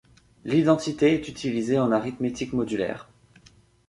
L'identité est utilisée en arithmétique modulaire.